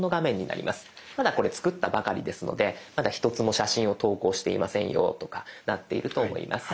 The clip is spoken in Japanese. まだこれ作ったばかりですのでまだ１つも写真を投稿していませんよとかなっていると思います。